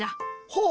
ほう？